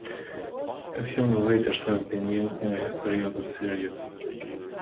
A few narrators have been used in the history of the series.